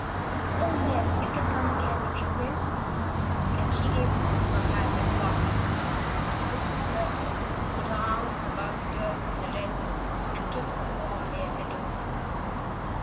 Oh, yes; you can come again if you will," and she gave Ruth her hand at parting. Mrs. Curtis put her arms about the girl from the Red Mill and kissed her warmly at the door.